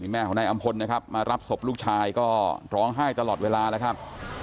แม่ของนายอำพลนะครับมารับศพลูกชายก็ร้องไห้ตลอดเวลาแล้วครับ